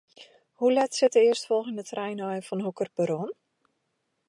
Hoe let set de earstfolgjende trein ôf en fan hokker perron?